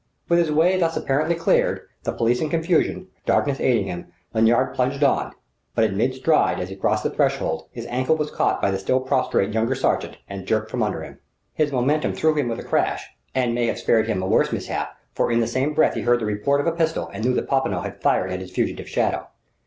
With his way thus apparently cleared, the police in confusion, darkness aiding him, Lanyard plunged on; but in mid stride, as he crossed the threshold, his ankle was caught by the still prostrate younger sergent and jerked from under him. His momentum threw him with a crash and may have spared him a worse mishap; for in the same breath he heard the report of a pistol and knew that Popinot had fired at his fugitive shadow.